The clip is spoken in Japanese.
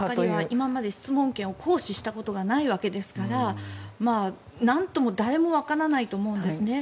今まで質問権を行使したことがないわけですからなんとも誰もわからないと思うんですね。